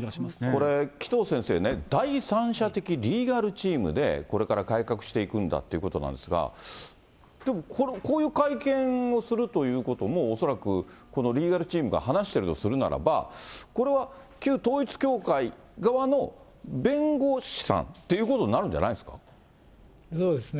これ、紀藤先生ね、第三者的リーガルチームでこれから改革していくんだということなんですが、でも、こういう会見をするということも、恐らく、このリーガルチームが話してるとするならば、これは旧統一教会側の弁護士さんということになるんじゃないですそうですね。